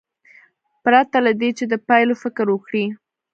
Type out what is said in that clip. پرته له دې چې د پایلو فکر وکړي.